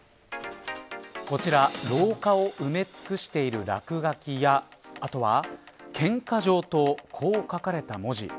こちら、廊下を埋め尽くしている落書きやあとはケンカ上等、こう書かれた文字